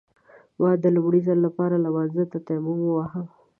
ما د لومړي ځل لپاره لمانځه ته تيمم وواهه.